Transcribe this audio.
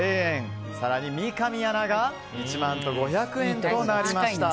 更に三上アナが１万５００円となりました。